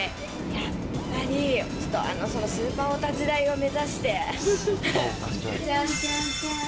やっぱり、ちょっとあのスーパーお立ち台を目指して。